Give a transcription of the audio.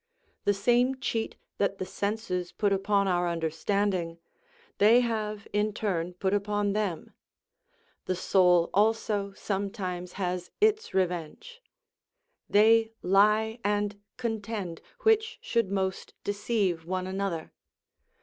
The same cheat that the senses put upon our understanding they have in turn put upon them; the soul also some times has its revenge; they lie and contend which should most deceive one another.